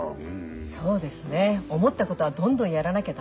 そうですね思ったことはどんどんやらなきゃ駄目ですよね。